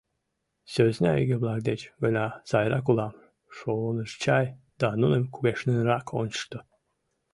Сӧсна иге-влак деч гына сайрак улам шоныш чай да нуным кугешненрак ончышто.